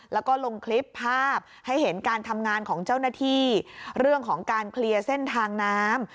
แล้วก็ลงคลิปภาพให้เห็นการทำงานของเจ้าหน้าที่เรื่องของการเคลียร์เส้นทางน้ำ